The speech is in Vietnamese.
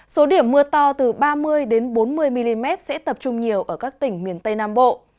số điểm mưa to từ ba mươi bốn mươi mm sẽ tập trung nhiều ở các tỉnh miền tây nam bộ